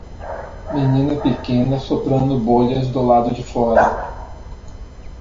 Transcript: Menina pequena soprando bolhas do lado de fora.